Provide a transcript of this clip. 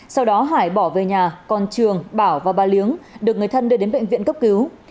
sau đó hải bỏ về nhà còn trường bảo và bà liếng được người thân đưa đến bệnh viện cấp cứu